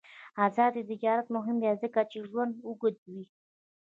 آزاد تجارت مهم دی ځکه چې ژوند اوږدوي.